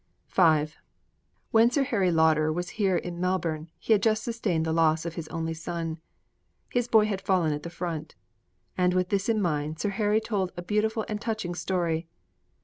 V When Sir Harry Lauder was here in Melbourne, he had just sustained the loss of his only son. His boy had fallen at the front. And, with this in mind, Sir Harry told a beautiful and touching story.